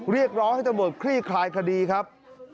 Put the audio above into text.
เรียกร้องให้ตำรวจคลี่คลายคดีครับ